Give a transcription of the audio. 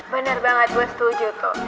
bener banget gue setuju tuh